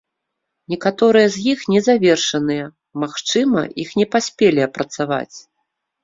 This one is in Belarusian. Некаторыя з іх незавершаныя, магчыма іх не паспелі апрацаваць.